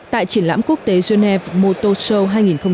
tại triển lãm quốc tế genève motor show hai nghìn một mươi chín